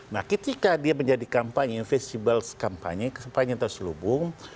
nah ketika dia menjadi kampanye investable kampanye kampanye yang terselubung